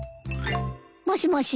もしもし？